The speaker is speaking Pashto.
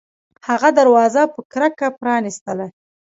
هغه دروازه په کرکه پرانیستله